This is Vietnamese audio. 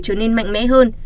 trở nên mạnh mẽ hơn